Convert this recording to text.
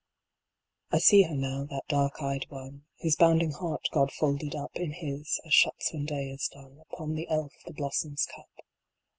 75 76 A MEMORY. I see her now that dark eyed one, Whose bounding heart God folded up In His, as shuts when day is done, Upon the elf the blossom s cup.